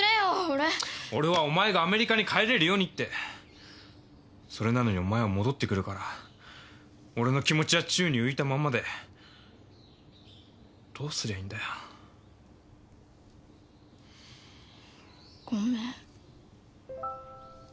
俺はお前がアメリカに帰れるようにって！それなのにお前は戻ってくるから俺の気持ちは宙に浮いたまんまでどうすりゃいいんだよ。ごめん。